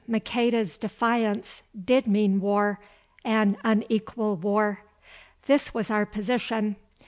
Maqueda's defiance did mean war, "an unequal war." This was our position.